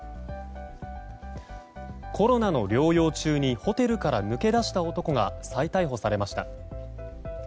コロナの療養中にホテルから抜け出した男が再逮捕されました。